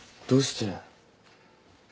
どうして。